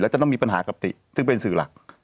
จะต้องมีปัญหากับติซึ่งเป็นสื่อหลัก